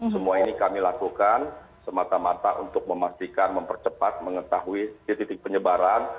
semua ini kami lakukan semata mata untuk memastikan mempercepat mengetahui titik titik penyebaran